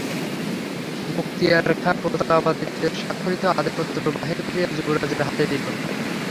মুক্তিয়ার খাঁ প্রতাপাদিত্যের স্বাক্ষরিত আদেশপত্র বাহির করিয়া যুবরাজের হাতে দিল।